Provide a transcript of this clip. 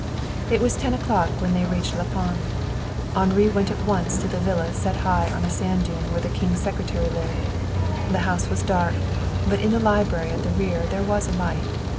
It was ten o'clock when they reached La Panne. Henri went at once to the villa set high on a sand dune where the King's secretary lived. The house was dark, but in the library at the rear there was a light.